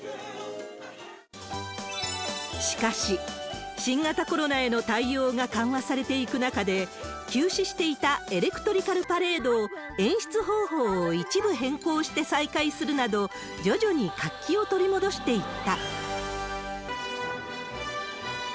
しかし、新型コロナへの対応が緩和されていく中で、休止していたエレクトリカルパレードを、演出方法を一部変更して再開するなど、徐々に活気を取り戻していった。